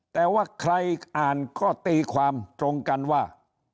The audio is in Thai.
แต่ว่าใครอ่านก็ตีความตรงกันว่า